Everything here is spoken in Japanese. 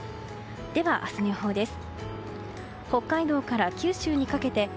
では明日の予報です。